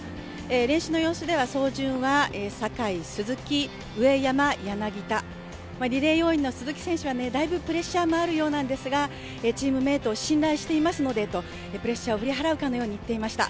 練習の様子では、走順は、坂井、鈴木上山、柳田リレー要員の鈴木選手はだいぶプレッシャーもあるようなんですがチームメートを信頼していますのでと、プレッシャーを振り払うかのように言っていました。